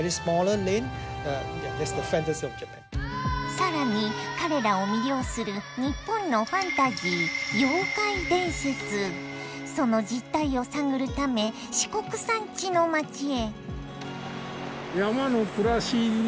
更に彼らを魅了する日本のファンタジーその実態を探るため四国山地の町へ。